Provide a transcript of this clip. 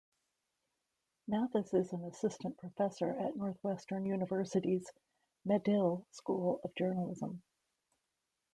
Mathis is an assistant professor at Northwestern University's Medill School of Journalism.